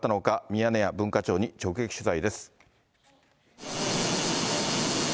ミヤネ屋、文化庁に直撃取材です。